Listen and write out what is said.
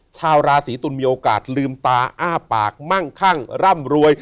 ชาวราศีตุลมีโอกาสลืมตาอ้าปากมั่งคั่งร่ำรวย